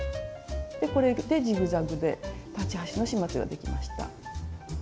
これでジグザグで裁ち端の始末ができました。